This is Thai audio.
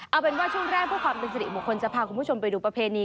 เอาเป็นว่าช่วงแรกพวกความรักษาศิริหมดคนจะพาคุณผู้ชมไปดูประเพณี